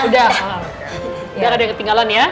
udah gak ada yang ketinggalan ya